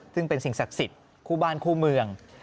ซึ่งเป็นสิ่งศักดิ์สิทธิ์คู่บ้านคู่เมือง